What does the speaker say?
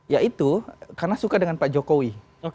yaitu karena suka dengan pak jokowi